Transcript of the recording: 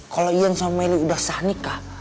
kalau ian sama meli udah sah nikah